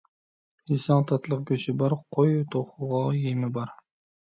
يېسەڭ تاتلىق «گۆشى»بار، قوي، توخۇغا «يېمى» بار.